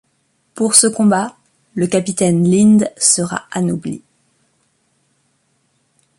Pour ce combat, le capitaine Lind sera anobli.